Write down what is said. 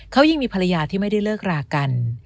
เขายิ่งมีภรรยาที่ไม่ได้เลิกรากัน